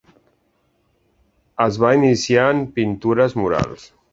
Es va iniciar en pintures murals.